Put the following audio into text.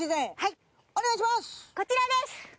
こちらです。